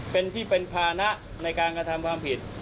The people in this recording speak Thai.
เป็นที่เป็นภานะในการกระทำความผิด